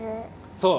そう！